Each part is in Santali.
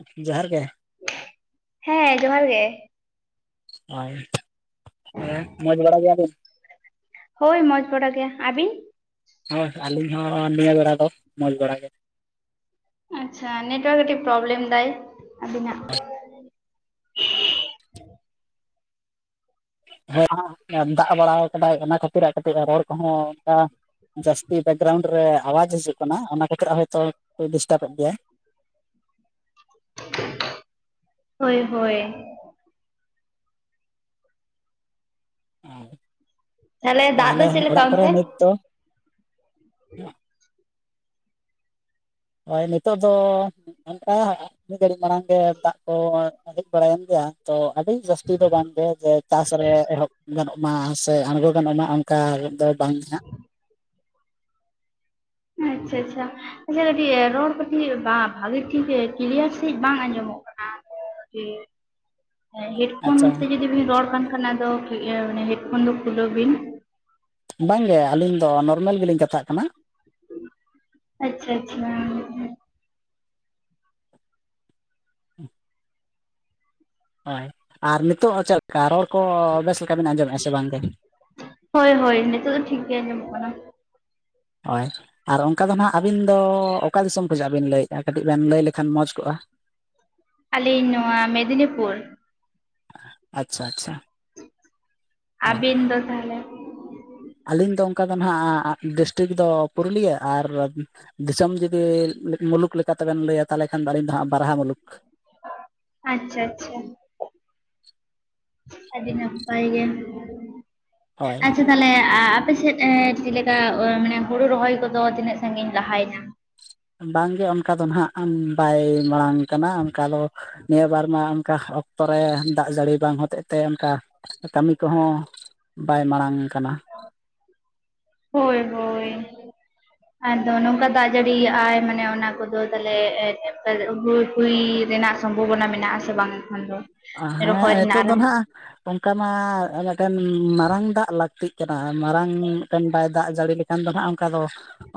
ᱩᱜ ᱡᱚᱦᱟᱨ ᱜᱮ ᱾ ᱦᱮᱸ ᱡᱚᱦᱟᱨ ᱜᱮ ᱾ ᱚᱸᱭ ᱮᱸ ᱢᱚᱡᱽ ᱵᱟᱲᱟ ᱜᱤᱭᱟ ᱵᱮᱱ? ᱦᱳᱭ ᱢᱚᱡᱽ ᱵᱟᱲᱟ ᱜᱮ ᱟᱹᱵᱤᱱ? ᱦᱳᱭ ᱟᱹᱞᱤᱧ ᱦᱚᱸ ᱱᱤᱭᱟᱹ ᱵᱮᱲᱟ ᱫᱚ ᱢᱚᱡᱽ ᱵᱮᱲᱟ ᱜᱮ᱾ ᱟᱪᱪᱷᱟ ᱱᱮᱴᱣᱟᱨᱠ ᱠᱟᱹᱜᱤᱜ ᱯᱨᱚᱵᱞᱮᱢ ᱫᱟᱭ ᱟᱵᱤᱱᱟᱜ ᱾ [inaudible] ᱦᱮᱸ ᱟ ᱫᱟᱜ ᱵᱟᱲᱟᱣ ᱠᱟᱫᱟᱭ ᱚᱱᱟ ᱠᱷᱟᱹᱛᱤᱨ ᱠᱟᱹᱴᱤᱡ ᱨᱚᱲ ᱠᱚᱦᱚᱸ ᱟ ᱡᱟᱥᱛᱤ ᱵᱮᱠᱜᱨᱟᱣᱩᱱᱰ ᱨᱮ ᱟᱣᱟᱡ ᱦᱤᱡᱩᱜ ᱠᱟᱱᱟ ᱚᱱᱟ ᱠᱷᱟᱹᱛᱤᱨ ᱟᱨᱦᱚᱭᱛᱚ ᱫᱚ ᱰᱤᱥᱴᱟᱵ ᱮᱫ ᱜᱤᱭᱟᱭ᱾ ᱦᱳᱭ ᱦᱳᱭ ᱮ ᱛᱟᱦᱚᱞᱮ ᱫᱟᱜ ᱫᱚ ᱛᱟᱦᱟᱞᱮ ᱪᱮᱫ ᱞᱮᱠᱟ ᱚᱲᱟᱜ ᱠᱚᱨᱮ ᱚᱱᱛᱮ ᱱᱤᱛ ᱫᱚ? ᱦᱳᱭ ᱱᱤᱛᱚᱜ ᱫᱚ ᱚᱱᱠᱟ ᱢᱤᱫ ᱜᱷᱟᱹᱲᱤᱡ ᱢᱟᱲᱟᱝ ᱜᱮ ᱫᱟᱜ ᱠᱚ ᱦᱮᱡ ᱵᱟᱲᱟᱭᱮᱱ ᱜᱮᱭᱟ ᱛᱚ ᱟᱹᱰᱤ ᱡᱟᱹᱥᱛᱤ ᱫᱚ ᱵᱟᱝᱜᱮ ᱡᱮ ᱪᱟᱥ ᱨᱮ ᱮᱦᱚᱵ ᱜᱟᱱᱚᱜ ᱢᱟ ᱥᱮ ᱟᱬᱜᱚ ᱜᱟᱱᱚᱜ ᱢᱟ ᱚᱱᱠᱟ ᱨᱮᱫ ᱫᱚ ᱵᱟᱝ ᱜᱮᱱᱟᱜ᱾ ᱟᱪᱪᱷᱟ ᱟᱪᱪᱷᱟ ᱟᱪᱷᱟ ᱠᱟᱹᱴ ᱨᱚᱲ ᱠᱟᱹᱴᱤᱡ ᱵᱟ-ᱵᱷᱟᱹᱜᱤ ᱴᱷᱤᱠ ᱠᱞᱤᱭᱟᱨ ᱥᱤᱪ ᱵᱟᱝ ᱟᱸᱡᱚᱢᱚᱜ ᱠᱟᱱᱟ᱾ ᱦᱮᱸ ᱦᱮ ᱦᱮᱰᱯᱷᱳᱱ ᱟᱪᱪᱷᱟ ᱛᱮ ᱡᱚᱫᱤ ᱵᱤᱱ ᱨᱚᱲ ᱠᱟᱱ ᱠᱷᱟᱱ ᱟᱫᱚ ᱦᱮᱰᱯᱷᱳᱱ ᱫᱚ ᱠᱷᱩᱞᱟᱹᱣ ᱵᱤᱱ᱾ ᱵᱟᱝᱜᱮ ᱟᱹᱞᱤᱧ ᱫᱚ ᱱᱚᱨᱢᱮᱞ ᱜᱮᱞᱤᱧ ᱠᱟᱛᱷᱟᱜ ᱠᱟᱱᱟ᱾ ᱟᱪᱪᱷᱟ ᱟᱪᱪᱷᱟ [inaudible] ᱩᱸ ᱦᱳᱭ ᱟᱨ ᱱᱤᱛᱚᱜ ᱪᱮᱫ ᱞᱮᱠᱟ ᱨᱚᱲ ᱠᱚ ᱵᱮᱥ ᱞᱮᱠᱟ ᱵᱮᱱ ᱟᱸᱡᱚᱢᱮᱜᱼᱟ ᱥᱮ ᱵᱟᱝᱜᱮ ᱦᱳᱭ ᱦᱳᱭ ᱱᱤᱛᱚᱜ ᱫᱚ ᱴᱷᱤᱠ ᱜᱮ ᱟᱸᱡᱚᱢᱚᱜ ᱠᱟᱱᱟ, ᱦᱚᱭ ᱟᱨ ᱚᱝᱠᱟ ᱫᱚ ᱱᱟᱦᱟᱜ ᱟᱹᱵᱤᱱ ᱫᱚ ᱚᱠᱟ ᱫᱤᱥᱚᱢ ᱠᱷᱚᱡᱟᱜ ᱵᱤᱱ ᱞᱟᱹᱭᱮᱜᱼᱟ ᱠᱟᱹᱴᱤᱡ ᱵᱮᱱ ᱞᱟᱹᱭ ᱞᱮᱠᱷᱟᱱ ᱢᱚᱡᱽ ᱠᱚᱜᱼᱟ? ᱟᱹᱞᱤᱧ ᱱᱚᱣᱟ ᱢᱮᱫᱽᱱᱤᱯᱩᱨ ᱾ ᱟᱪᱪᱷᱟ ᱟᱪᱪᱷᱟ ᱦᱳᱭ ᱟᱹᱵᱤᱱ ᱫᱚ ᱛᱟᱦᱟᱞᱮ? ᱟᱹᱞᱤᱧ ᱫᱚ ᱚᱝᱠᱟ ᱫᱚ ᱱᱟᱦᱟᱜ ᱰᱤᱥᱴᱤᱠ ᱫᱚ ᱯᱩᱨᱩᱞᱤᱭᱟᱹ ᱟᱨ ᱫᱤᱥᱚᱢ ᱡᱩᱫᱤ ᱢᱩᱞᱩᱠ ᱞᱮᱠᱟᱛᱮᱵᱮᱱ ᱞᱟᱹᱭᱟ ᱛᱟᱦᱚᱞᱮ ᱠᱷᱟᱱ ᱫᱚ ᱟᱹᱞᱤᱧ ᱫᱚ ᱦᱟᱸᱜ ᱵᱟᱨᱦᱟ ᱢᱩᱞᱩᱠ ᱾ ᱟᱪᱪᱷᱟ ᱟᱪᱪᱷᱟ ᱟᱹᱰᱤ ᱱᱟᱯᱟᱭ ᱜᱮ ᱦᱳᱭ ᱟᱪᱪᱷᱟ ᱛᱟᱦᱞᱮ ᱟ-ᱟᱯᱮ ᱥᱮᱫ ᱮᱸ ᱪᱮᱜ ᱞᱮᱠᱟ ᱚ ᱢᱟᱱᱮ ᱦᱳᱲᱳ ᱨᱚᱦᱚᱭ ᱠᱚᱫᱚ ᱛᱤᱱᱟᱹᱜ ᱥᱟᱺᱜᱤᱧ ᱞᱟᱦᱟᱭᱱᱟ? ᱵᱟᱝᱜᱮ ᱚᱱᱠᱟ ᱫᱚ ᱦᱟᱸᱜ ᱵᱟᱭ ᱢᱟᱲᱟᱝ ᱠᱟᱱᱟ ᱚᱱᱠᱟ ᱫᱚ ᱱᱤᱭᱟᱹ ᱵᱟᱨ ᱢᱟ ᱚᱱᱠᱟ ᱚᱠᱛᱚᱨ ᱨᱮ ᱫᱟᱜ ᱡᱟᱹᱲᱤ ᱵᱟᱝ ᱦᱚᱛᱮᱡ ᱛᱮ ᱚᱱᱠᱟ ᱠᱟᱹᱢᱤ ᱠᱚᱦᱚᱸ ᱵᱟᱭ ᱢᱟᱲᱟᱝ ᱠᱟᱱᱟ, ᱦᱳᱭ ᱦᱳᱭ ᱦᱚᱭ ᱱᱚᱝᱠᱟ ᱫᱟᱜ ᱡᱟᱹᱲᱤᱭᱟᱜ ᱟᱭ ᱢᱟᱱᱮ ᱚᱱᱟ ᱠᱚᱫᱚ ᱛᱟᱦᱚᱞᱮᱩ ᱦᱩᱭ ᱨᱮᱱᱟᱜ ᱥᱚᱢᱵᱷᱚᱵᱚᱱᱟ ᱢᱮᱱᱟᱜᱼᱟ ᱥᱮ ᱵᱟᱝ ᱦᱮᱸ ᱨᱚᱦᱚᱭ ᱨᱮᱱᱟᱜ ᱱᱤᱛᱚᱜ ᱫᱚ ᱟᱨᱟᱢ ᱦᱟᱸᱜ ᱚᱱᱠᱟ ᱢᱟ ᱢᱮᱴᱮᱱ ᱢᱟᱨᱟᱝ ᱫᱟᱜ ᱞᱟᱹᱠᱛᱤᱜ ᱠᱟᱱᱟ ᱢᱟᱨᱟᱝ ᱢᱤᱫᱴᱮᱱ ᱵᱟᱭ ᱫᱟᱜ ᱡᱟᱹᱲᱤ ᱞᱮᱠᱷᱟᱱ, ᱮᱠᱷᱟᱱ ᱫᱚ ᱦᱟᱸᱜ ᱚᱱᱠᱟ ᱫᱚ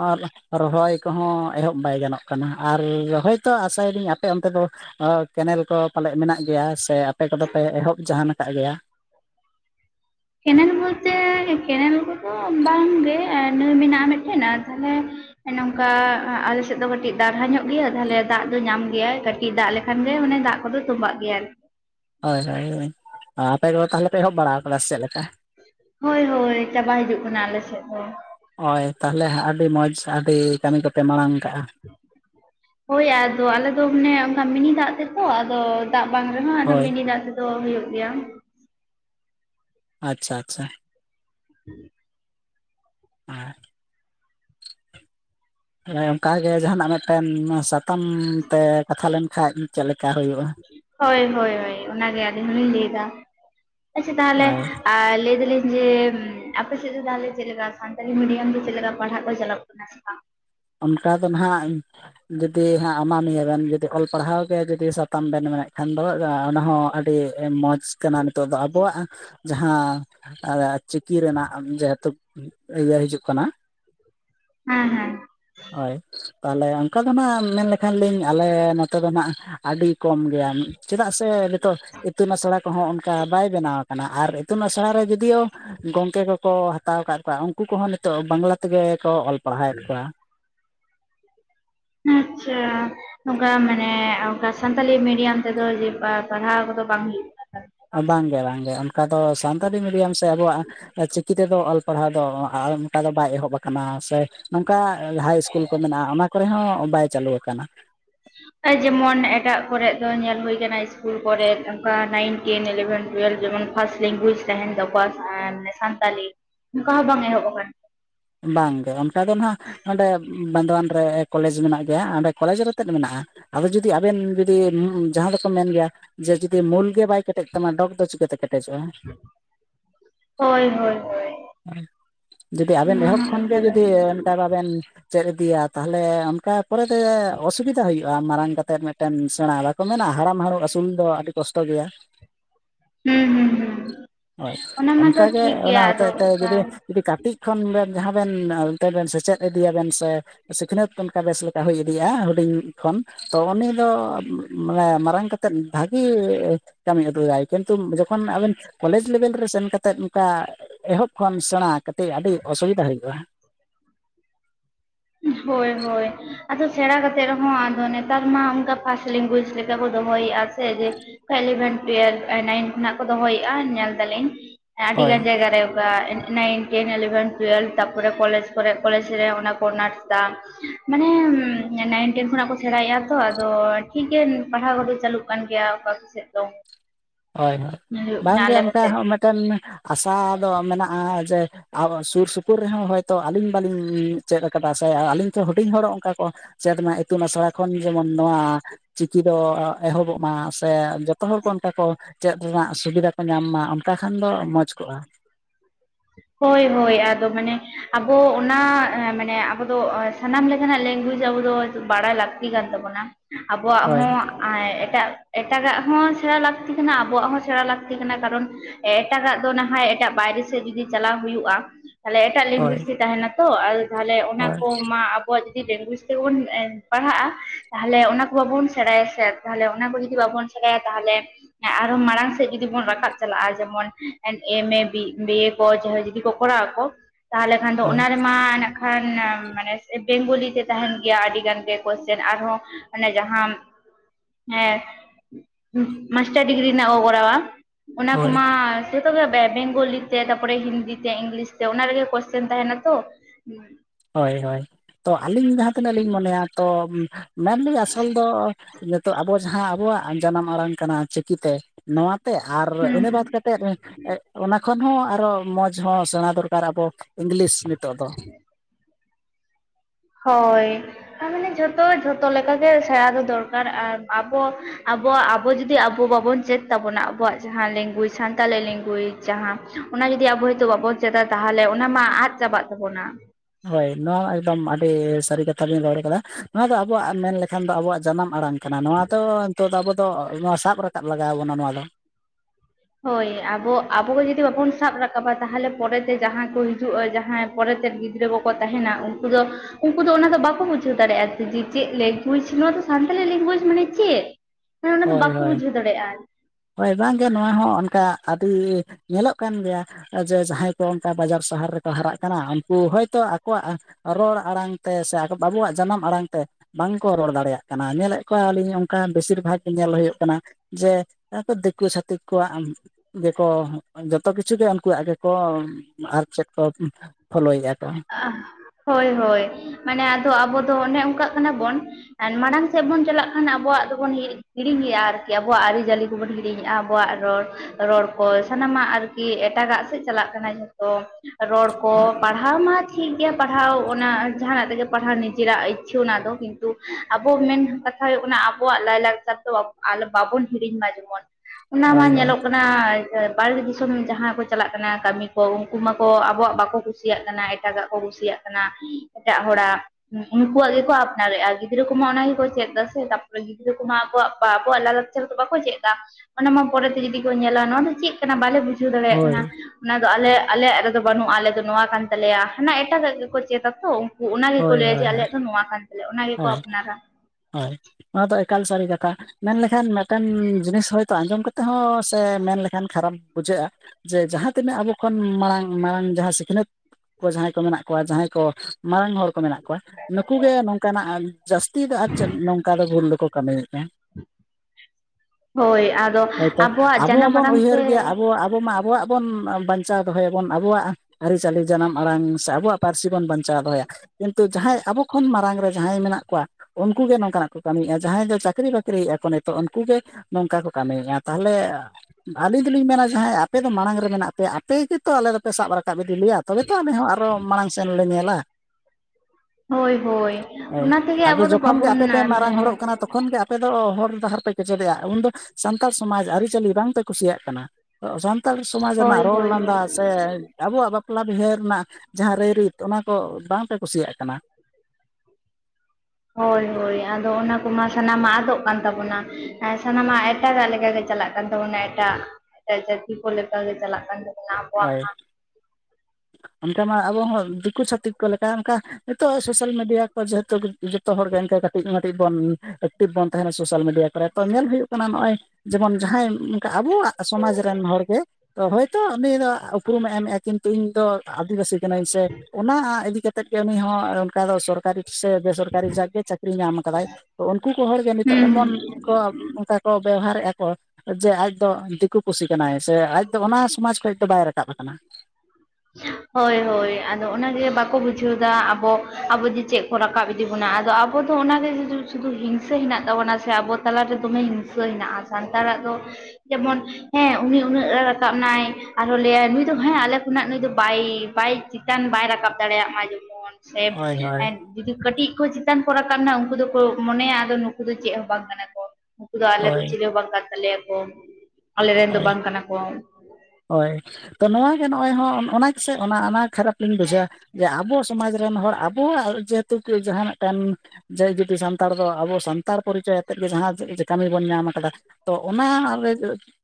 ᱟᱨ ᱨᱚᱦᱚᱭ ᱠᱚᱦᱚᱸ ᱮᱦᱚᱵ ᱵᱟᱭ ᱜᱟᱱᱚᱜ ᱠᱟᱱᱟ ᱟᱨ ᱨᱚᱦᱚᱭᱛᱚ ᱟᱥᱟᱭᱮᱫᱟᱹᱧ ᱟᱯᱮ ᱚᱱᱛᱮ ᱫᱚ ᱠᱮᱱᱮᱞ ᱠᱚ ᱯᱟᱞᱮᱫ ᱢᱮᱱᱟᱜ ᱜᱮᱭᱟ ᱥᱮ ᱟᱯᱮ ᱠᱚᱫᱚ ᱯᱮ ᱮᱦᱚᱵ ᱡᱟᱦᱟᱱ ᱟᱠᱟᱫ ᱜᱮᱭᱟ, ᱠᱮᱱᱮᱞ ᱵᱚᱞᱛᱮ ᱠᱮᱱᱮᱞ ᱠᱚᱫᱚ ᱵᱟᱝ ᱜᱮ ᱱᱟᱹ ᱢᱮᱱᱟᱜᱼᱟ ᱢᱤᱫ ᱴᱮᱱ ᱛᱟᱦᱞᱮ ᱱᱚᱝᱠᱟ ᱟᱞᱮ ᱥᱮᱫ ᱫᱚ ᱠᱟᱹᱴᱤᱡ ᱫᱟᱨᱦᱟ ᱧᱚᱜ ᱜᱮᱭᱟ ᱛᱟᱦᱞᱮ ᱫᱟᱜ ᱫᱚ ᱧᱟᱢ ᱜᱮᱭᱟᱭ ᱠᱟᱹᱴᱤᱡ, ᱫᱟᱜ ᱞᱮᱠᱷᱟᱱ ᱜᱮ ᱢᱟᱱᱮ ᱫᱟᱜ ᱠᱚᱫᱚ ᱛᱩᱵᱟᱜ ᱜᱮᱭᱟ ᱦᱟᱜ ᱦᱳᱭ ᱦᱳᱭ ᱟᱯᱮ ᱠᱚᱫᱚ ᱛᱟᱦᱚᱞᱮ ᱯᱮ ᱮᱦᱚᱵ ᱵᱟᱲᱟ ᱟᱠᱟᱫᱟ ᱥᱮ ᱪᱮᱫ ᱞᱮᱠᱟ? ᱦᱳᱭ ᱦᱳᱭ ᱪᱟᱵᱟ ᱦᱤᱡᱩᱜ ᱠᱟᱱᱟ ᱟᱞᱮ ᱥᱮᱫ ᱫᱚ, ᱦᱳᱭ ᱛᱟᱦᱚᱞᱮ ᱟᱹᱰᱤ ᱢᱚᱡᱽ ᱟᱹᱰᱤ ᱠᱟᱹᱢᱤ ᱠᱚᱯᱮ ᱢᱟᱲᱟᱝ ᱠᱟᱜᱼᱟ, ᱦᱳᱭ ᱟᱫᱚ ᱟᱞᱮ ᱫᱚ ᱟᱱᱮ ᱚᱱᱠᱟ ᱢᱤᱱᱤ ᱫᱟᱜ ᱛᱮᱫ ᱟᱫᱚ ᱫᱟᱜ ᱵᱟᱝ ᱨᱮᱦᱚᱸ ᱟᱫᱚ ᱦᱳᱭ ᱢᱤᱱᱤ ᱫᱟᱜ ᱛᱮᱫᱚ ᱦᱩᱭᱩᱜ ᱜᱮᱭᱟ ᱟᱪᱷᱟ ᱟᱪᱷᱟ, ᱦᱮᱸ ᱦᱮ ᱚᱱᱠᱟᱟᱜ ᱜᱮ ᱡᱟᱦᱟᱱᱟᱜ ᱢᱤᱫ ᱴᱮᱱ ᱥᱟᱛᱟᱢ ᱛᱮ ᱠᱟᱛᱷᱟ ᱞᱮᱱᱠᱟᱱᱡ ᱪᱮᱫ ᱞᱮᱠᱟ ᱦᱩᱭᱩᱜᱼᱟ? ᱦᱳᱭ ᱦᱳᱭ ᱦᱳᱭ ᱚᱱᱟᱜᱮ ᱟᱹᱞᱤᱧ ᱦᱚᱞᱤᱧ ᱞᱟᱹᱭᱫᱟ ᱛᱟᱦᱚᱞᱮ ᱦᱳᱭ ᱞᱟᱹᱭ ᱫᱤᱧ ᱡᱮ ᱟᱯᱮ ᱥᱮᱫ ᱫᱚ ᱛᱟᱦᱚᱞᱮ ᱪᱮᱫ ᱞᱮᱠᱟ ᱥᱟᱱᱛᱟᱞᱤ ᱢᱤᱰᱤᱭᱟᱢ ᱨᱮ ᱪᱮᱫ ᱞᱮᱠᱟ ᱯᱟᱲᱦᱟᱜ ᱠᱚ ᱪᱟᱞᱟᱜ ᱠᱟᱱᱟ ᱥᱮ ᱵᱟᱝ? ᱚᱱᱠᱟ ᱫᱚ ᱱᱟᱦᱟᱜ, ᱡᱩᱫᱤ ᱦᱸ ᱟᱢᱟᱢᱤᱭᱟᱹ ᱵᱮᱱ ᱡᱩᱫᱤ ᱚᱞ ᱯᱟᱲᱦᱟᱣ ᱜᱮ ᱡᱩᱫᱤ ᱥᱟᱛᱟᱢ ᱵᱮᱱ ᱢᱮᱱᱮᱫ ᱠᱷᱟᱱ ᱫᱚ ᱚᱱᱟ ᱦᱚᱸ ᱟᱹᱰᱤ ᱢᱚᱡᱽ, ᱠᱟᱱᱟ ᱱᱤᱛᱚᱜ ᱫᱚ ᱟᱵᱚᱣᱟᱜ ᱡᱟᱦᱟᱸ ᱪᱤᱠᱤ ᱨᱮᱱᱟᱜ ᱡᱮᱦᱮᱛᱩ, ᱮᱨᱟᱨ ᱦᱤᱡᱩᱜ ᱠᱟᱱᱟ, ᱦᱮᱸ ᱦᱮᱸ ᱦᱳᱭ ᱛᱟᱦᱚᱞᱮ ᱚᱱᱠᱟ ᱫᱚ ᱱᱟᱜ ᱢᱮᱱ ᱞᱮᱠᱷᱟᱱᱞᱤᱧ ᱟᱞᱮ ᱱᱚᱛᱮ ᱫᱚ ᱱᱟᱜ ᱟᱹᱰᱤ ᱠᱚᱢ ᱜᱮᱭᱟ, ᱪᱮᱫᱟᱜ ᱥᱮ ᱱᱤᱛᱚᱜ ᱤᱛᱩᱱ ᱟᱥᱲᱟ ᱠᱚᱦᱚᱸ ᱚᱱᱠᱟ ᱵᱟᱭ ᱵᱮᱱᱟᱣ ᱠᱟᱱᱟ ᱟᱨ ᱤᱛᱩᱱ ᱟᱥᱲᱟ ᱨᱮ ᱡᱩᱫᱤᱭᱳ, ᱜᱚᱝᱠᱮ ᱠᱚᱠᱚ ᱦᱟᱛᱟᱣ ᱟᱠᱟᱫ ᱠᱚᱣᱟ ᱩᱱᱠᱩ ᱠᱚᱦᱚᱸ ᱱᱤᱛᱚᱜ ᱵᱟᱝᱞᱟ ᱛᱮᱜᱮ ᱠᱚ ᱚᱞ ᱯᱟᱲᱦᱟᱣᱮᱫ ᱠᱚᱣᱟ, ᱟᱪᱷᱟ ᱱᱚᱝᱠᱟ ᱢᱟᱱᱮ ᱚᱱᱠᱟ ᱥᱟᱱᱛᱟᱞᱤ ᱢᱤᱰᱤᱭᱟᱢ ᱛᱮᱫᱚ ᱡᱮ ᱯᱟᱲᱦᱟᱣ ᱠᱚᱫᱚ ᱵᱟᱝ ᱦᱩᱭᱩᱜ ᱠᱟᱱᱟ, ᱵᱟᱝᱜᱮ ᱵᱟᱝ ᱜᱮ ᱚᱱᱠᱟ ᱫᱚ ᱥᱟᱱᱛᱟᱲᱤ ᱢᱤᱰᱤᱭᱟᱢ ᱥᱮ ᱟᱵᱚᱣᱟᱜ ᱪᱤᱠᱤ ᱛᱮᱫᱚ ᱚᱞ ᱯᱟᱲᱦᱟᱣ ᱫᱚ ᱟᱨ ᱚᱱᱠᱟ ᱫᱚ ᱵᱟᱭ ᱮᱦᱚᱵ ᱟᱠᱟᱱᱟ ᱥᱮ, ᱱᱚᱝᱠᱟ ᱦᱟᱭ ᱤᱥᱠᱩᱞ ᱠᱚ ᱢᱮᱱᱟᱜᱼᱟ ᱚᱱᱟ ᱠᱚᱨᱮ ᱦᱚᱸ ᱵᱟᱭ ᱪᱟᱹᱞᱩᱣᱟᱠᱟᱱᱟ, [inaudible] ᱡᱮᱢᱚᱱ ᱮᱴᱟᱜ ᱠᱚᱨᱮ ᱫᱚ ᱧᱮᱞ ᱦᱩᱭ ᱟᱠᱟᱱᱟ ᱤᱥᱠᱩᱞ ᱠᱚᱨᱮᱫ ᱚᱱᱠᱟ ᱱᱟᱭᱤᱱ ᱴᱮᱱ ᱤᱞᱮᱵᱷᱮᱱ ᱴᱩᱭᱮᱞᱵᱷ ᱡᱮᱢᱚᱱ, ᱯᱷᱟᱥᱴ ᱞᱮᱝᱜᱩᱣᱮᱡᱽ ᱛᱟᱦᱮᱱ ᱛᱟᱠᱚᱣᱟ ᱥᱟᱱᱛᱟᱞᱤ ᱱᱚᱝᱠᱟ ᱦᱚᱸ ᱵᱟᱝ ᱮᱦᱚᱵ ᱠᱟᱱᱟ, ᱵᱟᱝ ᱜᱮ ᱚᱱᱠᱟ ᱫᱚ ᱱᱟᱟᱜ ᱱᱚᱸᱰᱮ, ᱵᱟᱸᱫᱣᱟᱱ ᱨᱮ ᱠᱚᱞᱮᱡᱽ ᱢᱮᱱᱟᱜ ᱜᱮᱭᱟ ᱚᱸᱰᱮ ᱠᱚᱞᱮᱡ ᱨᱮᱛᱮᱫ ᱛᱤᱱᱟ. ᱜ ᱢᱮᱱᱟᱜᱼᱟ? ᱟᱫᱚ ᱡᱩᱫᱤ ᱟᱵᱮᱱ ᱡᱩᱫᱤ ᱡᱟᱦᱟᱸ ᱫᱚᱠᱚ ᱢᱮᱱ ᱜᱮᱭᱟ, ᱡᱮ ᱡᱩᱫᱤ ᱢᱩᱞ ᱜᱮ ᱵᱟᱭ ᱠᱮᱴᱮᱡᱚᱜ ᱛᱟᱢᱟ ᱰᱚᱜᱽ ᱫᱚ ᱪᱤᱠᱟᱹᱛᱮ ᱠᱮᱴᱮᱡᱚᱜᱼᱟ, ᱦᱳᱭ ᱦᱳᱭ ᱦᱳᱭ ᱡᱩᱫᱤ ᱟᱵᱮᱱ ᱚᱱᱟ ᱮᱦᱚᱵ ᱢᱟ ᱠᱷᱚᱱ ᱜᱮ ᱠᱟᱛᱷᱟ ᱠᱟᱱ ᱡᱩᱫᱤ ᱜᱮᱭᱟ ᱚᱱᱠᱟ ᱵᱟᱵᱮᱱ ᱪᱮᱫ ᱤᱫᱤᱭᱟ ᱛᱟᱦᱚᱞᱮ ᱚᱱᱠᱟ ᱠᱚᱚᱨᱛᱮ ᱚᱥᱩᱵᱤᱫᱟ ᱦᱩᱭᱩᱜᱼᱟ ᱢᱟᱨᱟᱝ ᱠᱟᱛᱮᱮᱫ ᱢᱤᱫᱴᱮᱱ ᱢᱤᱫᱴᱮᱱ ᱥᱮᱬᱟ ᱵᱟᱠᱚ ᱢᱮᱱᱟ ᱦᱟᱲᱟᱢᱼᱟᱲᱩ ᱟᱹᱥᱩᱞ ᱫᱚ ᱟᱹᱰᱤ ᱠᱚᱥᱴᱚ ᱜᱮᱭᱟ᱾ ᱦᱩᱸ ᱦᱩᱸ ᱦᱩᱸ ᱦᱳᱭ ᱚᱱᱟ ᱢᱟᱛᱚ ᱚᱱᱠᱟᱜᱮ ᱴᱷᱤᱠ ᱚᱱᱟ ᱜᱮᱭᱟ ᱟᱫᱚ, ᱦᱚᱛᱮᱡ ᱛᱮ ᱚᱱᱠᱟ ᱡᱩᱫᱤ ᱡᱩᱫᱤ ᱠᱟᱹᱴᱤᱡ ᱠᱷᱚᱱ ᱵᱮᱱ ᱡᱟᱦᱟᱸ ᱵᱮᱱ ᱮᱚᱱᱛᱮ ᱵᱮᱱ ᱥᱮᱪᱮᱫ ᱤᱫᱤᱭᱟᱵᱮᱱ ᱥᱮ, ᱥᱤᱠᱷᱱᱟᱹᱛ ᱚᱱᱠᱟ ᱵᱮᱥ ᱞᱮᱠᱟ ᱦᱩᱭ ᱤᱫᱤᱜᱼᱟ ᱦᱩᱰᱤᱧ ᱠᱷᱚᱱ᱾ ᱛᱚ ᱩᱱᱤ ᱫᱚ ᱢᱟᱱᱮ ᱢᱟᱨᱟᱝ ᱠᱟᱛᱮᱫ ᱵᱷᱟᱜᱤ ᱠᱟᱹᱢᱤ ᱟᱹᱫᱟᱹᱭᱟᱭ ᱠᱤᱱᱛᱩ ᱡᱚᱠᱷᱚᱱ ᱟᱵᱮᱱ ᱠᱚᱞᱮᱡᱽ ᱞᱮᱵᱮᱞ ᱨᱮ ᱥᱮᱱ ᱠᱟ ᱠᱟᱛᱮᱮᱫ ᱚᱱᱠᱟ ᱮᱦᱚᱵ ᱠᱷᱚᱱ ᱥᱮᱬᱟ ᱠᱟᱛᱮᱫ ᱟᱹᱰᱤ ᱚᱥᱩᱵᱤᱫᱷᱟ ᱦᱩᱭᱩᱜᱼᱟ ᱾ ᱦᱳᱭ ᱦᱳᱭ ᱟᱫᱚ ᱥᱮᱬᱟ ᱠᱟᱛᱮ ᱨᱮᱦᱚᱸ ᱟᱫᱚ ᱱᱮᱛᱟᱨ ᱢᱟ ᱚᱱᱠᱟ ᱯᱷᱟᱥᱴ ᱞᱮᱝᱜᱩᱭᱮᱡᱽ ᱞᱮᱠᱟ ᱵᱚ ᱫᱚᱦᱚᱭᱮᱫᱼᱟ ᱥᱮ ᱡᱮ ᱤᱞᱤᱵᱷᱮᱱ ᱴᱩᱭᱮᱞᱵᱷ ᱱᱟᱭᱤᱱ ᱠᱷᱱᱟᱜ ᱠᱚ ᱫᱚᱦᱚᱭᱮᱫᱼᱟ ᱧᱮᱞ ᱫᱟᱞᱤᱧ ᱟᱹᱰᱤ ᱦᱳᱭ ᱜᱟᱱ ᱡᱟᱭᱜᱟ ᱨᱮ ᱚᱱᱠᱟ ᱱᱟᱭᱤᱱ ᱴᱮᱱ ᱤᱞᱮᱵᱷᱮᱱ ᱴᱩᱭᱮᱞᱵᱷ ᱛᱟᱨᱯᱚᱨᱮ ᱠᱚᱞᱮᱡᱽ ᱠᱚᱨᱮ ᱠᱚᱞᱮᱡᱽ ᱨᱮ ᱚᱱᱟ ᱠᱚᱨᱱᱟᱴ ᱫᱟ ᱾ ᱢᱟᱱᱮ ᱱᱟᱭᱤᱱ ᱴᱮᱱ ᱠᱷᱚᱱᱟᱜ ᱠᱚ ᱥᱮᱬᱟᱭᱮᱫᱼᱟ ᱛᱚ ᱟᱫᱚ ᱴᱷᱤᱠᱜᱮ ᱯᱟᱲᱦᱟᱣ ᱠᱚᱫᱚ ᱪᱟᱹᱞᱩᱜ ᱠᱟᱱ ᱜᱮᱭᱟ ᱚᱠᱟᱠᱮ ᱥᱮᱫ ᱫᱚ, ᱦᱳᱭ ᱦᱳᱭ ᱧᱮᱞ ᱦᱩᱭᱩᱜ ᱵᱟᱝ ᱠᱟᱱᱟ ᱜᱮ ᱟᱞᱮ ᱚᱱᱠᱟ ᱠᱚᱥᱮᱫ ᱦᱚᱸ ᱢᱤᱫᱴᱮᱱ ᱟᱥᱟ ᱫᱚ ᱢᱮᱱᱟᱜᱼᱟ, ᱡᱮ ᱟᱨ ᱥᱩᱨ ᱥᱩᱯᱩᱨ ᱨᱮᱦᱚᱸ ᱦᱚᱳᱭᱛᱳ ᱟᱹᱞᱤᱧ ᱵᱟᱹᱞᱤᱧ ᱪᱮᱫ ᱠᱟᱫᱟ ᱥᱮ ᱟᱹᱞᱤᱧ ᱛᱚ ᱦᱩᱰᱤᱧ ᱦᱚᱲ ᱚᱱᱠᱟ ᱠᱚ ᱾ ᱪᱮᱫ ᱢᱟ ᱤᱛᱩᱱ ᱟᱥᱲᱟ ᱠᱷᱚᱱ ᱡᱮᱢᱚᱱ ᱱᱚᱣᱟ ᱪᱤᱠᱤ ᱫᱚ ᱮᱦᱚᱵᱚᱜ ᱢᱟ ᱥᱮ ᱡᱚᱛᱚ ᱦᱚᱲ ᱠᱚ ᱚᱱᱠᱟ ᱠᱚ ᱪᱮᱫ ᱨᱮᱱᱟᱜ ᱥᱩᱵᱤᱫᱷᱟ ᱠᱚ ᱧᱟᱢ ᱢᱟ᱾ ᱚᱱᱠᱟ ᱠᱷᱟᱱ ᱫᱚ ᱢᱚᱡᱽ ᱠᱚᱜᱼᱟ᱾ ᱦᱳᱭ ᱦᱳᱭ ᱟᱫᱚ ᱢᱟᱱᱮ ᱟᱵᱚ ᱚᱱᱟ ᱢᱟᱱᱮ ᱟᱵᱚ ᱫᱚ ᱥᱟᱱᱟᱢ ᱞᱮᱠᱟᱱᱟᱜ ᱞᱮᱝᱜᱩᱭᱮᱡᱽ ᱟᱵᱚ ᱫᱚ ᱵᱟᱲᱟᱭ ᱞᱟᱹᱠᱛᱤ ᱠᱟᱱ ᱛᱟᱵᱚᱱᱟ᱾ ᱟᱵᱚᱣᱟᱜ ᱦᱳᱭ ᱦᱚᱸ ᱟᱨ ᱮᱴᱟᱜ ᱮᱴᱟᱜᱟᱜ ᱦᱚᱸ ᱥᱮᱬᱟ ᱞᱟᱹᱠᱛᱤ ᱠᱟᱱᱟ ᱟᱵᱚᱣᱟᱜ ᱦᱚᱸ ᱥᱮᱬᱟ ᱞᱟᱹᱠᱛᱤ ᱠᱟᱱᱟ ᱠᱟᱨᱚᱱ ᱮᱴᱟᱜᱟᱜ ᱫᱚ ᱱᱟᱦᱭ ᱮᱴᱟᱜ ᱵᱟᱭᱨᱮ ᱥᱮᱫ ᱡᱩᱫᱤ ᱪᱟᱞᱟᱣ ᱦᱩᱭᱩᱜᱼᱟ ᱛᱟᱦᱚᱞᱮ ᱮᱴᱟᱜ ᱦᱳᱭ ᱞᱮᱝᱜᱩᱭᱤᱤ ᱛᱟᱦᱮᱱᱟ ᱛᱚ ᱟᱫᱚ ᱛᱟᱦᱚᱞᱮ ᱚᱱᱟ ᱦᱳᱭ ᱠᱚ ᱢᱟ ᱟᱵᱚᱣᱟᱜ ᱡᱩᱫᱤ ᱵᱮᱝᱜᱩᱭᱤᱥ ᱛᱮᱜᱮᱵᱚᱱ ᱯᱟᱲᱦᱟᱜᱼᱟ ᱛᱟᱦᱚᱞᱮ ᱚᱱᱟ ᱠᱚ ᱵᱟᱵᱚᱱ ᱥᱮᱬᱟᱭᱟ ᱥᱮ᱾ ᱛᱟᱦᱚᱞᱮ ᱚᱱᱟ ᱠᱚ ᱡᱩᱫᱤ ᱵᱟᱵᱚᱱ ᱥᱮᱲᱟᱭᱟ ᱛᱟᱦᱚᱞᱮ ᱟᱨᱚ ᱢᱟᱲᱟᱝ ᱥᱮᱫ ᱡᱩᱫᱤ ᱵᱚᱱ ᱨᱟᱠᱟᱵ ᱪᱟᱞᱟᱜᱼᱟ ᱡᱮᱢᱚᱱ ᱮᱢ ᱮ ᱵᱤᱭᱮ ᱦᱚᱭ ᱡᱟᱦᱟᱸ ᱡᱩᱫᱤ ᱠᱚ ᱠᱚᱨᱟᱣ ᱟᱠᱚ ᱛᱟᱦᱚᱞᱮ ᱠᱷᱟᱱ ᱫᱚ ᱦᱳᱭ ᱚᱱᱟ ᱨᱮᱢᱟ ᱠᱷᱟᱱ ᱢᱟᱱᱮ ᱵᱮᱝᱜᱚᱞᱤ ᱛᱮ ᱛᱟᱦᱮᱱ ᱜᱮᱭᱟ ᱟᱹᱰᱤᱜᱟᱱ ᱜᱮ ᱠᱚᱥᱪᱮᱱ ᱟᱨᱦᱚᱸ ᱚᱱᱮ ᱡᱟᱦᱟᱸᱱ ᱦᱮᱸ ᱢᱟᱥᱴᱟᱨ ᱰᱤᱜᱽᱨᱤ ᱨᱮᱱᱟᱜ ᱠᱚ ᱠᱚᱨᱟᱣᱟ ᱾ ᱚᱱᱟ ᱦᱳᱭ ᱠᱚᱢᱟ ᱡᱚᱛᱚ ᱵᱮᱝᱜᱚᱞᱤ ᱛᱮ ᱛᱟᱨᱯᱚᱨᱮ ᱦᱤᱱᱫᱤ ᱛᱮ ᱤᱝᱞᱤᱥ ᱛᱮ ᱚᱱᱟ ᱨᱮᱜᱮ ᱠᱚᱥᱪᱮᱱ ᱛᱟᱸᱦᱮᱱᱟ ᱛᱚ, ᱦᱳᱭ ᱦᱳᱭ ᱛᱚ ᱟᱹᱞᱤᱧ ᱡᱟᱦᱟᱸ ᱛᱤᱱᱟᱹᱜ ᱞᱤᱧ ᱢᱚᱱᱮᱭᱟ ᱛᱚ, ᱢᱮᱱᱞᱤ ᱟᱥᱚᱞ ᱫᱚ ᱱᱤᱛᱚᱜ ᱟᱵᱚ ᱡᱟᱦᱟᱸ ᱟᱵᱚᱣᱟᱜ ᱡᱟᱱᱟᱢ ᱟᱲᱟᱝ ᱠᱟᱱᱟ ᱪᱤᱠᱤᱛᱮ ᱱᱚᱣᱟᱛᱮ ᱟᱨ ᱤᱱᱟᱹ ᱦᱩᱸ ᱵᱟᱫ ᱠᱟᱛᱮ ᱮᱛᱮᱫ ᱚᱱᱟ ᱠᱷᱚᱱ ᱦᱚᱸ ᱟᱨᱚ ᱢᱚᱡᱽ ᱦᱚᱸ ᱥᱮᱬᱟ ᱫᱚᱨᱠᱟᱨ ᱟᱵᱚ ᱤᱝᱞᱤᱥ ᱱᱤᱛᱚᱜ ᱫᱚ ᱦᱳᱭ ᱟᱨ ᱢᱟᱱᱮ ᱡᱷᱚᱛᱚ ᱡᱷᱚᱛᱚ ᱞᱮᱠᱟᱜᱮ ᱥᱮᱬᱟ ᱫᱚ ᱫᱚᱨᱠᱟᱨ, ᱟᱨ ᱟᱵᱚ ᱟᱵᱚᱣᱟᱜ ᱟᱵᱚ ᱡᱩᱫᱤ ᱟᱵᱚ ᱵᱟᱵᱚᱱ ᱪᱮᱫ ᱛᱟᱵᱚᱱᱟ ᱟᱵᱚᱣᱟᱜ ᱡᱟᱦᱟᱸ ᱞᱮᱝᱜᱩᱭᱮᱡᱽ ᱥᱟᱱᱛᱟᱞᱤ ᱞᱮᱝᱜᱩᱭᱮᱡᱽ᱾ ᱡᱟᱦᱟᱸ ᱚᱱᱟ ᱡᱩᱫᱤ ᱟᱵᱚ ᱦᱚᱭᱛᱳ ᱵᱟᱵᱚᱱ ᱪᱮᱫᱟ ᱛᱟᱦᱚᱞᱮ ᱚᱱᱟ ᱢᱟ ᱟᱫ ᱪᱟᱵᱟᱜ ᱛᱟᱵᱚᱱᱟ᱾ ᱦᱳᱭ ᱱᱚᱣᱟ ᱮᱠᱫᱚᱢ ᱟᱹᱰᱤ ᱥᱟᱹᱨᱤ ᱠᱟᱛᱷᱟ ᱞᱤᱧ ᱨᱚᱲ ᱟᱠᱟᱫᱟ, ᱱᱚᱣᱟ ᱫᱚ ᱟᱵᱚᱣᱟᱜ ᱢᱮᱱ ᱞᱮᱠᱷᱟᱱ ᱫᱚ ᱟᱵᱚᱣᱟᱜ ᱡᱟᱱᱟᱢ ᱟᱲᱟᱝ ᱠᱟᱱᱟ ᱱᱚᱣᱟ ᱫᱚ ᱱᱤᱛᱚᱜ ᱫᱚ ᱟᱵᱚ ᱫᱚ ᱱᱚᱣᱟ ᱥᱟᱵ ᱨᱟᱠᱟᱵ ᱞᱟᱜᱟᱣ ᱵᱚᱱᱟ ᱱᱚᱣᱟ ᱫᱚ᱾ ᱦᱳᱭ ᱟᱵᱚ, ᱟᱵᱚ ᱡᱩᱚᱫᱤ ᱵᱟᱵᱚᱱ ᱥᱟᱵ ᱨᱟᱠᱟᱵᱟ ᱛᱟᱦᱚᱞᱮ ᱯᱚᱨᱮᱛᱮ ᱡᱟᱦᱟᱸ ᱠᱚ ᱦᱤᱡᱩᱜᱼᱟ, ᱡᱟᱦᱟᱸ ᱯᱚᱨᱮᱛᱮ ᱜᱤᱫᱽᱨᱟᱹ ᱠᱚᱠᱚ ᱛᱟᱦᱮᱱᱟ, ᱩᱱᱠᱩ ᱫᱚ ᱩᱱᱠᱩ ᱫᱚ ᱚᱱᱟ ᱫᱚ ᱵᱟᱠᱚ ᱵᱩᱡᱷᱟᱹᱣ ᱫᱟᱲᱮᱭᱟᱜᱼᱟ, ᱪᱮᱫ ᱞᱮᱝᱜᱩᱭᱮᱡᱽ ᱱᱚᱣᱟ ᱫᱚ ᱥᱟᱱᱛᱟᱞᱤ ᱞᱮᱝᱜᱩᱭᱮᱡᱽ ᱢᱟᱱᱮ ᱪᱮᱫ? ᱢᱟᱱᱮ ᱚᱱᱟ ᱫᱚ ᱦᱳᱭ ᱵᱟᱠᱚ ᱦᱳᱭ ᱵᱩᱡᱷᱟᱹᱣ ᱫᱟᱲᱮᱭᱟᱜᱼᱟ᱾ ᱦᱳᱭ ᱵᱟᱝᱜᱮ ᱱᱚᱣᱟ ᱦᱚᱸ ᱚᱱᱠᱟ ᱟᱹᱰᱤ ᱧᱮᱞᱚᱜ ᱠᱟᱱ ᱜᱮᱭᱟ᱾ ᱡᱮ ᱡᱟᱦᱟᱸᱭ ᱠᱚ ᱚᱱᱠᱟ ᱵᱟᱡᱟᱨ ᱥᱟᱦᱟᱨ ᱨᱮᱠᱚ ᱦᱟᱨᱟᱜ ᱠᱟᱱᱟ ᱩᱱᱠᱩ ᱦᱚᱭᱛᱳ ᱟᱠᱚᱣᱟᱜ ᱨᱚᱲ ᱟᱲᱟᱝ ᱛᱮ ᱥᱮ ᱟᱵᱚᱣᱟᱜ ᱡᱟᱱᱟᱢ ᱟᱲᱟᱝ ᱛᱮ ᱵᱟᱝᱠᱚ ᱨᱚᱲ ᱫᱟᱲᱮᱭᱟᱜ ᱠᱟᱱᱟ ᱧᱮᱞᱮᱫ ᱠᱚᱣᱟ ᱟᱹᱞᱤᱧ ᱚᱱᱠᱟ ᱵᱮᱥᱤᱨ ᱵᱷᱟᱜᱽ ᱧᱮᱞ ᱦᱩᱭᱩᱜ ᱠᱟᱱᱟ ᱡᱮ ᱟᱨ ᱫᱤᱠᱩ ᱪᱷᱟᱹᱛᱤᱠ ᱠᱚᱣᱟᱜ ᱜᱮᱠᱚ ᱡᱚᱛᱚ ᱠᱤᱪᱷᱩ ᱜᱮ ᱩᱱᱠᱩᱣᱟᱜ ᱜᱮᱠᱚ ᱟᱨ ᱪᱮᱫ ᱠᱚᱢ ᱯᱷᱚᱞᱚᱭᱮᱫᱼᱟ ᱫᱚ? ᱟᱡ ᱦᱳᱭ ᱦᱳᱭ, ᱢᱟᱱᱮ ᱟᱫᱚ ᱟᱵᱚ ᱫᱚ ᱚᱱᱮ ᱚᱱᱠᱟᱜ ᱠᱟᱱᱟ ᱵᱚᱱ ᱟᱨ ᱢᱟᱲᱟᱝ ᱥᱮᱫ ᱵᱚᱱ ᱪᱟᱞᱟᱜ ᱠᱷᱟᱱ ᱟᱵᱚᱣᱟᱜ ᱫᱚᱵᱚᱱ ᱦᱤᱲᱤ ᱦᱤᱲᱤᱧᱮᱫᱼᱟ ᱟᱨᱠᱤ ᱟᱵᱚᱣᱟᱜ ᱟᱹᱨᱤᱡᱟᱹᱞᱤ᱾ ᱵᱚᱱ ᱦᱤᱲᱤᱧᱮᱫᱼᱟ ᱟᱵᱚᱣᱟᱜ ᱨᱚᱲ ᱨᱚᱲ ᱠᱚ ᱥᱟᱱᱟᱢᱟᱜ ᱟᱨᱠᱤ ᱮᱴᱟᱜᱟᱜ ᱥᱮᱫ ᱪᱟᱞᱟᱜ ᱠᱟᱱᱟ᱾ ᱛᱚ ᱨᱚᱲ ᱠᱚ, ᱯᱟᱲᱦᱟᱣ ᱢᱟ ᱴᱷᱤᱠ ᱜᱮᱭᱟ ᱯᱟᱲᱦᱟᱣ ᱚᱱᱟ ᱡᱟᱦᱟᱱᱟᱜ ᱛᱮᱜᱮ ᱯᱟᱲᱦᱟᱣ ᱱᱤᱡᱮᱨᱟᱜ ᱤᱪᱪᱷᱩ ᱚᱱᱟ ᱫᱚ ᱠᱤᱱᱛᱩ ᱟᱵᱚ ᱢᱮᱱ ᱠᱟᱛᱷᱟ ᱦᱩᱭᱩᱜ ᱠᱟᱱᱟ ᱟᱵᱚᱣᱟᱜ ᱞᱟᱭᱼᱞᱟᱠᱪᱟᱨ ᱛᱚ ᱟᱞᱚ ᱵᱟᱵᱚᱱ ᱦᱤᱲᱤᱧ ᱢᱟ ᱡᱮᱢᱚᱱ, ᱚᱱᱟ ᱢᱟ ᱦᱳᱭ ᱦᱳᱭ ᱧᱮᱞᱚᱜ ᱠᱟᱱ ᱟᱨ ᱵᱟᱨᱦᱮ ᱫᱤᱥᱚᱢ ᱡᱟᱦᱟᱸ ᱠᱚ ᱪᱟᱞᱟᱜ ᱠᱟᱱᱟ ᱠᱟᱹᱢᱤ ᱠᱚ ᱩᱱᱠᱩ ᱢᱟᱠᱚ ᱟᱵᱚᱣᱟᱜ ᱵᱟᱠᱚ ᱠᱩᱥᱤᱭᱟᱜ ᱠᱟᱱᱟ᱾ ᱮᱴᱟᱜᱟᱜ ᱠᱚ ᱠᱩᱥᱤᱭᱟᱜ ᱠᱟᱱᱟ, ᱮᱴᱟᱜ ᱦᱚᱲᱟᱜ ᱩᱱᱠᱩᱣᱟᱜ ᱜᱮᱠᱚ ᱟᱯᱱᱟᱨᱮᱫᱼᱟ ᱜᱤᱫᱽᱨᱟᱹ ᱠᱚᱢᱟ ᱚᱱᱟ ᱜᱮᱠᱚ ᱪᱮᱫ ᱫᱟ ᱥᱮ ᱛᱟᱯᱚᱨᱮ ᱜᱤᱫᱽᱨᱟᱹ ᱠᱚᱢᱟ ᱟᱠᱚᱣᱟᱜ ᱟᱠᱚᱣᱟᱜ ᱞᱟᱞᱟᱫ ᱪᱮᱫᱞᱮᱠᱟ ᱵᱟᱠᱚ ᱪᱮᱫ ᱫᱟ ᱚᱱᱟ ᱢᱟ ᱯᱚᱨᱮᱛᱮ ᱡᱩᱫᱤ ᱠᱚ ᱧᱮᱞᱟ ᱱᱚᱣᱟ ᱫᱚ ᱪᱤᱫ? ᱠᱟᱱᱟ ᱵᱟᱞᱮ ᱵᱩᱡᱷᱟᱹᱣ ᱫᱟᱲᱮᱭᱟᱜ ᱦᱳᱭ ᱠᱟᱱᱟ᱾ ᱚᱱᱟ ᱫᱚ ᱟᱞᱮ ᱟᱞᱮᱭᱟᱜ ᱨᱮᱫᱚ ᱵᱟᱹᱱᱩᱜᱼᱟ ᱟᱞᱮ ᱫᱚ ᱱᱚᱣᱟ ᱠᱟᱱ ᱛᱟᱞᱮᱭᱟ᱾ ᱦᱟᱱᱟ ᱮᱴᱟᱜᱟᱜ ᱜᱮᱠᱚ ᱪᱮᱫᱟ ᱛᱚ ᱩᱱᱠᱩ ᱚᱱᱟ ᱜᱮᱠᱚ ᱦᱳᱭ ᱞᱟᱹᱭᱟ ᱡᱮ ᱦᱳᱭ ᱟᱞᱮᱭᱟᱜ ᱫᱚ ᱱᱚᱣᱟ ᱠᱟᱱ ᱛᱟᱞᱮᱭᱟ ᱚᱱᱟ ᱜᱮᱠᱚ ᱦᱳᱭ ᱟᱯᱱᱟᱨᱟ᱾ ᱦᱳᱭ, ᱱᱚᱣᱟ ᱫᱚ ᱮᱠᱟᱞ ᱥᱟᱹᱨᱤ ᱠᱟᱛᱷᱟ᱾ ᱢᱮᱱᱞᱮᱠᱷᱟᱱ ᱢᱮᱴᱮᱱ ᱡᱤᱱᱤᱥ ᱦᱚᱭᱛᱳ ᱟᱸᱡᱚᱢ ᱠᱟᱛᱮ ᱛᱮ ᱦᱚᱸ ᱥᱮ ᱢᱮᱱ ᱞᱮᱠᱷᱟᱱ ᱠᱷᱟᱨᱟᱯ ᱵᱩᱡᱷᱟᱹᱜᱼᱟ᱾ ᱡᱮ ᱡᱟᱦᱟᱸ ᱛᱤᱱᱟᱹᱜ ᱟᱵᱚ ᱠᱷᱚᱱ ᱢᱟᱲᱟᱝ ᱢᱟᱲᱟᱝ ᱡᱟᱦᱟᱸ ᱥᱤᱠᱷᱱᱟᱹᱛ ᱠᱚ ᱡᱟᱦᱟᱸᱭ ᱠᱚ ᱢᱮᱱᱟᱜ ᱠᱚᱣᱟ ᱡᱟᱦᱟᱸᱭ ᱠᱚ ᱢᱟᱨᱟᱝ ᱦᱚᱲ ᱠᱚ ᱢᱮᱱᱟᱜ ᱠᱚᱣᱟ, ᱱᱩᱠᱩ ᱜᱮ ᱱᱚᱝᱠᱟᱱᱟᱜ ᱡᱟᱹᱥᱛᱤ ᱫᱚ ᱟᱨ ᱪᱮᱫ ᱱᱚᱝᱠᱟ ᱫᱚ ᱵᱷᱩᱞ ᱫᱚᱠᱚ ᱠᱟᱹᱢᱤᱭᱮᱫ ᱛᱟᱦᱮᱸ᱾ ᱦᱳᱭ ᱟᱫᱚ ᱦᱚᱭᱛᱚ ᱟᱵᱚᱣᱟᱜ ᱟᱵᱚ ᱡᱟᱱᱟᱢ ᱢᱟᱵᱚᱱ ᱟᱲᱟᱝ ᱩᱭᱦᱟᱹᱨ ᱛᱮ ᱜᱮᱭᱟ ᱟᱵᱚᱣᱟᱜ ᱟᱵᱚ ᱢᱟ ᱟᱵᱚᱣᱟᱜ ᱵᱚᱱ ᱵᱟᱧᱪᱟᱣ ᱫᱚᱦᱚᱭᱟᱵᱚᱱ ᱟᱵᱚᱣᱟᱜ ᱟᱹᱨᱤᱪᱟᱹᱞᱤ ᱡᱟᱱᱟᱢ ᱟᱲᱟᱝ ᱥᱮ ᱟᱵᱚᱣᱟᱜ ᱯᱟᱹᱨᱥᱤ ᱵᱚᱱ ᱵᱟᱧ ᱪᱟ ᱫᱚᱦᱚᱭᱟ ᱠᱤᱱᱛᱩ ᱡᱟᱦᱟᱸᱭ ᱟᱵᱚ ᱠᱷᱚᱱ ᱢᱟᱨᱟᱝ ᱨᱮ ᱡᱟᱦᱟᱸᱭ ᱢᱮᱱᱟᱜ ᱠᱚᱣᱟ᱾ ᱩᱱᱠᱩ ᱜᱮ ᱱᱚᱝᱠᱟᱱᱟᱜ ᱠᱚ ᱠᱟᱹᱢᱤᱭᱮᱫᱼᱟ, ᱡᱟᱦᱟᱸᱭ ᱫᱚ ᱪᱟᱹᱠᱨᱤ ᱵᱟᱹᱠᱨᱤᱭᱮᱫᱼᱟ ᱠᱚ ᱱᱤᱛᱚᱜ ᱩᱱᱠᱩ ᱜᱮ ᱱᱚᱝᱠᱟ ᱠᱚ ᱠᱟᱹᱢᱤᱭ ᱮᱫᱟ, ᱛᱷᱟᱞᱮ ᱟᱹᱞᱤᱧ ᱫᱚᱞᱤᱧ ᱢᱮᱱᱟ ᱡᱟᱦᱟᱸᱭ ᱟᱯᱮ ᱫᱚ ᱢᱟᱲᱟᱝ ᱨᱮ ᱢᱮᱱᱟᱜ ᱯᱮᱭᱟ ᱟᱯᱮ ᱜᱤᱛ ᱛᱚ ᱟᱞᱮ ᱫᱚᱯᱮ ᱥᱟᱵ ᱨᱟᱠᱟᱵ ᱤᱫᱤᱞᱮᱭᱟ ᱛᱚᱵᱮ ᱛᱚ ᱟᱞᱮ ᱦᱚᱸ ᱟᱨᱚ ᱢᱟᱲᱟᱝ ᱥᱮᱱ ᱞᱮ ᱧᱮᱞᱟ᱾ ᱦᱳᱭ ᱦᱳ᱾ ᱦᱳᱭ, ᱟᱫᱚ ᱡᱚᱠᱷᱚᱱ ᱜᱮ ᱟᱯᱮ ᱯᱮ ᱢᱟᱨᱟᱝ ᱦᱚᱲᱚᱜ ᱢᱟᱱᱮ ᱠᱟᱱᱟ ᱛᱚᱠᱷᱚᱱ ᱜᱮ ᱟᱯᱮ ᱫᱚ ᱦᱚᱨ ᱰᱟᱦᱟᱨ ᱯᱮ ᱠᱮᱪᱮᱫᱮᱜᱼᱟ ᱩᱱᱫᱚ ᱥᱟᱱᱛᱟᱲ ᱥᱚᱢᱟᱡᱽ, ᱟᱹᱨᱤᱪᱟᱹᱞᱤ ᱵᱟᱝᱯᱮ ᱠᱩᱥᱤᱭᱟᱜ ᱠᱟᱱᱟ᱾ ᱥᱟᱱᱛᱟᱲ ᱥᱚᱢᱟᱡᱽ ᱨᱮᱱᱟᱜ ᱦᱳᱭ ᱦᱳᱭ ᱨᱚᱲ ᱞᱟᱸᱫᱟ ᱦᱳᱭ ᱥᱮ ᱟᱵᱚᱣᱟᱜ ᱵᱟᱯᱞᱟ ᱵᱤᱦᱟᱹ ᱨᱮᱱᱟᱜ ᱡᱟᱦᱟᱸ ᱨᱟᱹᱭᱨᱤᱛ ᱚᱱᱟ ᱠᱚ ᱵᱟᱝᱯᱮ ᱠᱩᱥᱤᱭᱟᱜ ᱠᱟᱱᱟ? ᱦᱳᱭ ᱦᱳᱭ ᱟᱫᱚ ᱚᱱᱟ ᱠᱚᱢᱟ ᱥᱟᱱᱟᱢᱟᱜ ᱟᱫᱚᱜ ᱠᱟᱱ ᱛᱟᱵᱚᱱᱟ᱾ᱟᱨ ᱥᱟᱱᱟᱢᱟᱜ ᱮᱴᱟᱜᱟᱜ ᱞᱮᱠᱟᱜᱮ ᱪᱟᱞᱟᱜ ᱱᱮᱛᱟᱨ ᱫᱚ ᱢᱟᱱᱮ ᱮᱴᱟᱜ ᱮᱴᱟᱜ ᱡᱟᱹᱛᱤ ᱠᱚ ᱞᱮᱠᱟᱜᱮ ᱪᱟᱞᱟᱜ ᱠᱟᱱ ᱛᱟᱵᱚᱱᱟ᱾ ᱟᱵᱚᱣᱟᱜ ᱦᱳᱭ᱾ ᱢᱟ ᱚᱱᱠᱟ ᱢᱟ ᱟᱵᱚ ᱦᱚᱸ ᱫᱤᱠᱩ ᱪᱷᱟᱹᱛᱤᱠ ᱠᱚ ᱞᱮᱠᱟ ᱚᱱᱠᱟ ᱱᱤᱛᱚᱜ ᱦᱚ ᱥᱚᱥᱟᱞ ᱢᱤᱰᱤᱭᱟ ᱠᱚ ᱡᱷᱚᱛᱚᱜᱮ ᱡᱚᱛᱚ ᱦᱚᱲ ᱜᱮ ᱮᱱᱠᱟ ᱠᱟᱴᱤᱡ ᱠᱟᱹᱴᱤᱡ ᱵᱚᱱ ᱮᱠᱴᱤᱵᱷ ᱵᱚᱱ ᱛᱟᱦᱮᱱ ᱥᱚᱥᱟᱞ ᱢᱤᱰᱤᱭᱟ ᱠᱚᱨᱮ ᱛᱚ ᱧᱮᱞ ᱦᱩᱭᱩᱜ ᱠᱟᱱᱟ ᱱᱚᱜᱼᱚᱭ ᱡᱮᱢᱚᱱ ᱡᱟᱦᱟᱸᱭ ᱟᱵᱩᱣᱟᱜ ᱥᱚᱢᱟᱡᱽ ᱨᱮᱱ ᱦᱚᱲ ᱜᱮ ᱛᱚ ᱦᱚᱭᱛᱚ ᱩᱱᱤ ᱫᱚ ᱩᱯᱨᱩᱢᱮ ᱮᱢᱮᱜᱼᱟ ᱠᱤᱱᱛᱩ ᱤᱧ ᱫᱚ ᱟᱹᱫᱤᱵᱟᱹᱥᱤ ᱠᱟᱹᱱᱟᱹᱧ ᱥᱮ ᱚᱱᱟ ᱤᱫᱤ ᱠᱟᱛᱮᱫ ᱜᱮ ᱩᱱᱤ ᱦᱚᱸ ᱚᱱᱠᱟ ᱫᱚ ᱥᱚᱨᱠᱟᱨᱤ ᱥᱮ ᱵᱮᱥᱚᱨ ᱠᱟᱨᱤ ᱪᱟᱠ ᱜᱮ ᱪᱟᱹᱠᱨᱤ ᱧᱟᱢ ᱠᱟᱫᱟᱭ ᱛᱚ ᱩᱱᱠᱩ ᱠᱚ ᱦᱚᱲ ᱜᱮ ᱱᱤᱛᱚᱜ ᱦᱩᱸ ᱮᱢᱚᱱ, ᱦᱩᱸ ᱠᱚ ᱚᱱᱠᱟ ᱠᱚ ᱵᱮᱣᱦᱟᱨ ᱮᱫᱼᱟ ᱠᱚ᱾ ᱡᱮ ᱟᱡ ᱫᱚ ᱫᱤᱠᱩ ᱯᱩᱥᱤ ᱠᱟᱱᱟᱭ ᱥᱮ ᱟᱡ ᱫᱚ ᱚᱱᱟ ᱥᱚᱢᱟᱡ ᱠᱷᱚᱡ ᱫᱚ ᱵᱟᱭ ᱨᱟᱠᱟᱵ ᱟᱠᱟᱱᱟ᱾ ᱦᱳᱭ ᱦᱳᱭ ᱟᱫᱚ ᱚᱱᱟᱜᱮ ᱵᱟᱠᱚ ᱵᱩᱡᱷᱟᱹᱣ ᱫᱟ ᱟᱵᱚ ᱟᱵᱚ ᱡᱮ ᱪᱮᱫ ᱠᱚ ᱨᱟᱠᱟᱵ ᱤᱫᱤ ᱵᱚᱱᱟ ᱟᱫᱚ ᱟᱵᱚ ᱫᱚ ᱚᱱᱟᱜᱮ ᱡᱩᱫᱩ ᱥᱩᱫᱩ ᱦᱤᱝᱥᱟᱹ ᱦᱮᱱᱟᱜ ᱛᱟᱵᱚᱱᱟ ᱥᱮ ᱟᱵᱚ ᱛᱟᱞᱟᱨᱮ ᱫᱚᱢᱮ ᱦᱤᱝᱥᱟᱹ ᱦᱮᱱᱟᱜᱼᱟ᱾ ᱥᱟᱱᱛᱟᱲᱟᱜ ᱫᱚ ᱡᱮᱢᱚᱱ ᱦᱮᱸ ᱩᱱᱤ ᱩᱱᱟᱹᱜ ᱨᱮ ᱨᱟᱠᱟᱵ ᱱᱟᱭ ᱟᱨᱦᱚᱸ ᱞᱟᱹᱭᱟᱭ ᱱᱩᱭ ᱫᱚ ᱦᱮᱸ ᱟᱞᱮ ᱩᱱᱟᱹᱜ ᱱᱩᱭ ᱫᱚ ᱵᱟᱭ ᱵᱟᱭ ᱪᱤᱛᱟᱱ ᱵᱟᱭ ᱨᱟᱠᱟᱵ ᱫᱟᱲᱮᱭᱟᱜ ᱢᱟ ᱡᱮᱢᱚᱱ, ᱥᱮ ᱦᱳᱭ ᱦᱳᱭ ᱡᱩᱫᱤ ᱠᱟᱹᱴᱤᱡ ᱠᱚ ᱪᱮᱛᱟᱱ ᱠᱚ ᱨᱟᱠᱟᱵ ᱱᱟ ᱩᱱᱠᱩ ᱫᱩᱠᱩ ᱢᱚᱱᱮᱭᱟ ᱟᱫᱚ ᱱᱩᱠᱩ ᱫᱚ ᱪᱮᱫ ᱦᱚᱸ ᱵᱟᱝ ᱠᱟᱱᱟ ᱠᱚ᱾ ᱩᱱᱠᱩ ᱫᱚ ᱟᱞᱮ ᱫᱚ ᱦᱳᱭ ᱪᱤᱞᱤ ᱦᱚᱸ ᱵᱟᱝ ᱠᱟᱱ ᱛᱟᱞᱮᱭᱟᱠᱚ᱾ ᱟᱞᱮ ᱨᱮᱱ ᱫᱚ ᱦᱳᱭ ᱵᱟᱝ ᱠᱟᱱᱟ ᱠᱚ᱾ ᱦᱳᱭ, ᱛᱚ ᱱᱚᱣᱟᱜᱮ ᱱᱚᱜᱼᱚᱭ ᱦᱚᱸ ᱚᱱᱟ ᱜᱮᱥᱮ ᱚᱱᱟ ᱚᱱᱟ ᱠᱷᱟᱨᱟᱯ ᱞᱤᱧ ᱵᱩᱡᱷᱟᱹᱣᱼᱟ᱾ ᱡᱮ ᱟᱵᱚ ᱥᱚᱢᱟᱡᱽ ᱨᱮᱱ ᱦᱚᱲ ᱟᱵᱚᱣᱟᱜ ᱡᱨᱦᱮᱛᱩ ᱠᱩᱡ ᱡᱟᱦᱟᱸ ᱢᱤᱫᱴᱮᱱ ᱡᱮᱭ ᱡᱩᱫᱤ ᱥᱟᱱᱛᱟᱲ ᱫᱚ ᱟᱵᱚ ᱥᱟᱱᱛᱟᱲ ᱯᱚᱨᱤᱪᱚᱭ ᱟᱛᱮᱫ ᱜᱮ ᱡᱟᱦᱟᱸ ᱪᱮ ᱠᱟᱹᱢᱤ ᱵᱚᱱ ᱧᱟᱢ ᱠᱟᱫᱟ᱾ ᱛᱚ ᱚᱱᱟ ᱨᱮ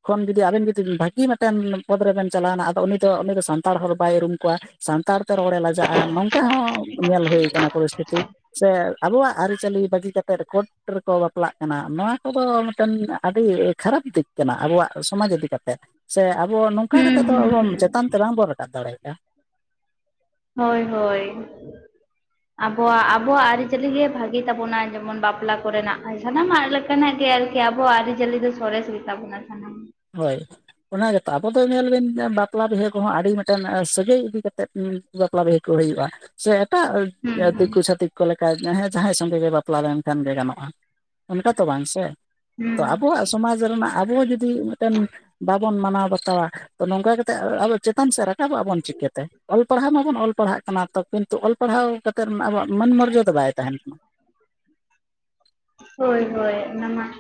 ᱠᱷᱚᱱ ᱡᱩᱫᱤ ᱟᱵᱮᱱ ᱡᱩᱫᱤ ᱵᱷᱟᱹᱜᱤ ᱢᱤᱫᱴᱮᱱ ᱯᱚᱫ ᱨᱮᱵᱮᱱ ᱪᱟᱞᱟᱣᱱᱟ ᱟᱫᱚ ᱩᱱᱤ ᱫᱚ ᱩᱱᱤ ᱫᱚ ᱥᱟᱱᱛᱟᱲ ᱦᱚᱲ ᱵᱟᱭ ᱩᱨᱩᱢ ᱠᱚᱣᱟ, ᱥᱟᱱᱛᱟᱲ ᱛᱮ ᱨᱚᱲᱮ ᱞᱟᱡᱟᱜᱼᱟ ᱱᱚᱝᱠᱟ ᱾ ᱚᱱᱠᱟ ᱦᱚᱸ ᱧᱮᱞ ᱦᱩᱭᱩ ᱟᱠᱟᱱᱟ ᱯᱚᱨᱤᱥᱛᱷᱤᱛᱤ ᱾ ᱥᱮ ᱟᱵᱚᱣᱟᱜ ᱟᱹᱨᱤ ᱪᱟᱹᱞᱤ ᱵᱟᱹᱜᱤ ᱠᱟᱛᱮᱫ ᱠᱳᱰ ᱨᱮᱠᱚ ᱵᱟᱯᱞᱟᱜ ᱠᱟᱱᱟ ᱱᱚᱣᱟ ᱠᱚᱫᱚ ᱢᱤᱫᱴᱮᱱ ᱟᱹᱰᱤ ᱠᱷᱟᱨᱟᱯ ᱫᱤᱠ ᱠᱟᱱᱟ ᱟᱵᱚᱣᱟᱜ ᱥᱚᱢᱟᱡᱽ ᱤᱫᱤ ᱠᱟᱛᱮ ᱾ ᱥᱮ ᱟᱵᱚ ᱱᱚᱝᱠᱟ ᱠᱟᱛᱮ ᱦᱩᱸ ᱫᱚ ᱟᱵᱚ ᱦᱩᱸ ᱪᱮᱛᱟᱱ ᱛᱮ ᱵᱟᱝ ᱵᱚᱱ ᱨᱟᱠᱟᱵ ᱫᱟᱲᱮᱭᱟᱜᱼᱟ ᱾ ᱦᱳᱭ ᱦᱳᱭ ᱾ ᱟᱵᱚᱣᱟᱜ ᱟᱵᱚᱣᱟᱜ ᱟᱹᱨᱤᱪᱟᱹᱞᱤ ᱜᱮ ᱵᱷᱟᱹᱜᱤ ᱛᱟᱵᱚᱱᱟ, ᱡᱮᱢᱚᱱ ᱵᱟᱯᱞᱟ ᱠᱚᱨᱮᱱᱟᱜ ᱥᱟᱱᱟᱢᱟᱜ ᱞᱮᱠᱟ ᱾ ᱚᱱᱠᱟᱱᱟᱜ ᱜᱮ ᱟᱨᱠᱤ ᱟᱵᱚᱣᱟᱜ ᱟᱹᱨᱤᱪᱟᱹᱞᱤ ᱫᱚ ᱥᱚᱨᱮᱥ ᱜᱮᱛᱟ ᱵᱚᱱᱟ ᱥᱟᱱᱟᱢ ᱾ ᱦᱳᱭ ᱾ ᱚᱱᱟ ᱜᱮᱛᱚ ᱟᱵᱚ ᱫᱚ ᱧᱮᱞ ᱵᱮᱱ ᱵᱟᱯᱞᱟ ᱵᱤᱦᱟᱹ ᱠᱚᱦᱚᱸ ᱟᱹᱰᱤ ᱢᱤᱴᱟᱱ ᱥᱟᱹᱜᱟᱹᱭ ᱤᱫᱤ ᱠᱟᱛᱮ ᱩᱻ ᱵᱟᱯᱞᱟ ᱵᱤᱦᱤ ᱠᱚ ᱦᱩᱭᱩᱜᱼᱟ ᱥᱮ ᱮᱴᱟᱜ ᱦᱩᱸ ᱦᱩᱸ ᱫᱤᱠᱩ ᱪᱷᱛᱤᱠ ᱠᱚ ᱞᱮᱠᱟ ᱡᱟᱦᱟᱸᱭ ᱥᱚᱸᱜᱮ ᱜᱮ ᱵᱟᱯᱞᱟ ᱞᱮᱱᱠᱷᱟᱱ ᱜᱮ ᱜᱟᱱᱚᱜᱼᱟ, ᱚᱱᱠᱟ ᱛᱚ ᱵᱟᱝ ᱥᱮ ᱾ ᱛᱚ ᱦᱩᱸ ᱟᱵᱚᱣᱟᱜ ᱥᱚᱢᱟᱡᱽ ᱨᱮᱱᱟᱜ ᱟᱵᱚ ᱡᱩᱫᱤ ᱢᱤᱫᱴᱮᱱ ᱵᱟᱵᱚᱱ ᱢᱟᱱᱟᱣ ᱵᱟᱛᱟᱣᱟ ᱾ ᱛᱚ ᱱᱚᱝᱠᱟ ᱠᱟᱛᱮᱫ ᱟᱵᱚ ᱪᱮᱛᱟᱱ ᱥᱮᱫ ᱨᱟᱠᱟᱵᱚᱜ ᱟᱵᱚᱱ ᱪᱤᱠᱟᱹ ᱛᱮ᱾ ᱚᱞ ᱯᱟᱲᱦᱟᱣ ᱢᱟᱵᱚᱱ ᱚᱞ ᱯᱟᱲᱦᱟᱜ ᱠᱟᱱᱟ ᱛᱚ ᱾ ᱠᱤᱱᱛᱩ ᱚᱞ ᱯᱟᱲᱦᱟᱣ ᱠᱟᱛᱮᱫ ᱟᱵᱚᱣᱟᱜ ᱢᱟᱹᱱ ᱢᱚᱨᱡᱟ ᱫᱚ ᱵᱟᱭ ᱛᱟᱦᱮᱱ ᱠᱟᱱᱟ᱾ ᱦᱳᱭ ᱦᱳᱭ ᱚᱱᱟ ᱱᱟᱜ